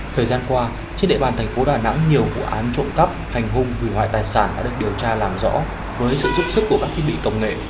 thời gian qua trên địa bàn thành phố đà nẵng nhiều vụ án trộm cắp hành hung hủy hoại tài sản đã được điều tra làm rõ với sự giúp sức của các thiết bị công nghệ